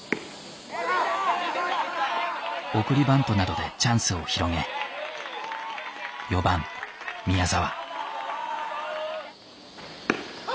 送りバントなどでチャンスを広げ４番宮澤。